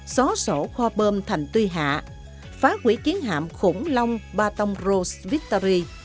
xóa sổ kho bơm thành tuy hạ phá quỷ chiến hạm khủng long baton rouge victory